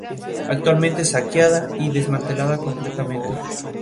Actualmente, saqueada y desmantelada completamente.